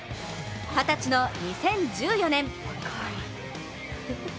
２０歳の２０１４年。